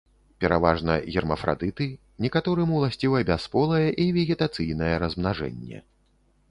Пераважна гермафрадыты, некаторым уласціва бясполае і вегетацыйнае размнажэнне.